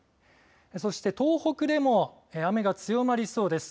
そして、東北でも雨が強まりそうです。